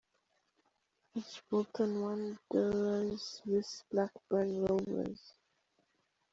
hBolton Wanderers Vs Blackburn Rovers .